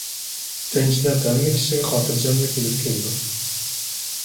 تىنچلىق ھەممە كىشىگە خاتىرجەملىك ئىلىپ كېلىدۇ.